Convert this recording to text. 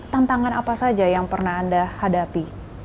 tantangan apa saja yang pernah anda hadapi